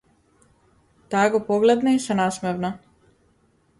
Таа го погледна и се насмевна.